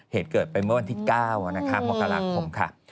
เหตุเกิดไปเมื่อวันที่๙มกราคม